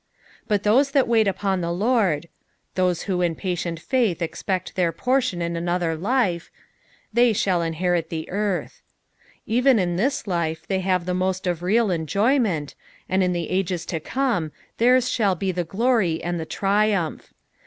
^' But thoie that uait upon the Lord"— t\ioat who in patient faith expect their portion in another Wfe^" tltey thall inherit the earth.''' Even in this life they have the must of real enjoyment, and in the ages to como theirs shall be tho glory and tho triumph.